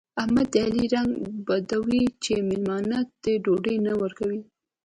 احمد د علي رنګ بدوي چې مېلمانه ته ډوډۍ نه ورکوي.